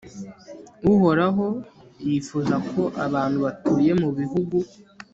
Uhoraho yifuza ko abantu batuye mu bihugu